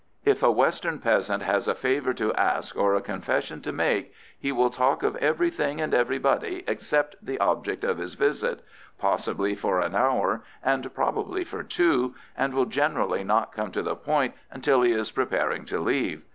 If a western peasant has a favour to ask or a confession to make, he will talk of everything and everybody except the object of his visit, possibly for an hour and probably for two, and will generally not come to the point until he is preparing to leave.